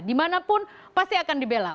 dimanapun pasti akan dibela